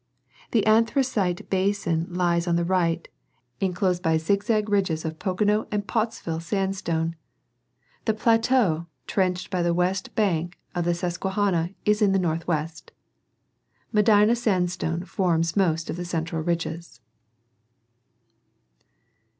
The Anthracite basins lie on the right, enclosed by zigzag ridges of Pocono and Pottsville sandstone ■; the Plateau, trenched by the West Branch of the Susquehanna is in the northwest. Medina sandstone forms most of the central ridges.